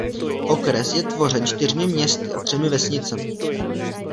Okres je tvořen čtyřmi městy a třemi vesnicemi.